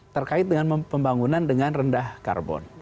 terkait dengan pembangunan dengan rendah karbon